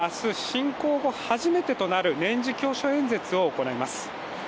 プーチン氏は明日、侵攻後初めてとなる年次教書演説を行います。